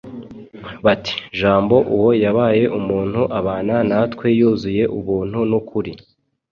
bati, “jambo uwo yabaye umuntu abana natwe,… yuzuye ubuntu n’ukuri.